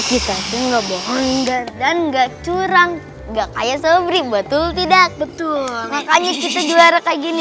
kita juga bohong dan nggak curang gak kayak sebelum betul tidak betul makanya kita juara kayak gini